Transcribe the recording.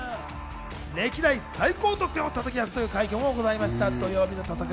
歴代最高得点をたたき出すという快挙もございました。